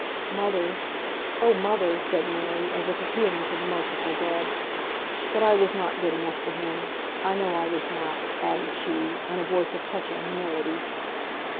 "Mother! oh mother!" said Mary, as if appealing to the merciful dead. "But I was not good enough for him! I know I was not," added she, in a voice of touching humility.